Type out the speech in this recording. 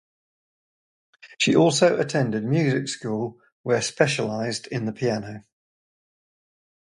She also attended music school where specialized in the piano.